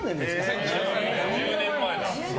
１０年前だ。